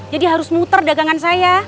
jadi harus muter dagangan saya